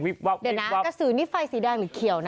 เดี๋ยวนะกระสือนี่ไฟสีแดงหรือเขียวนะ